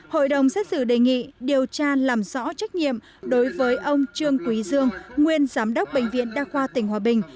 hội đồng xét xử đề nghị điều tra làm rõ trách nhiệm đối với ông trương quý dương nguyên giám đốc bệnh viện đa khoa tỉnh hòa bình